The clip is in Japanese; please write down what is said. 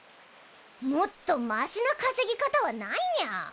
もっとマシな稼ぎ方はないニャ？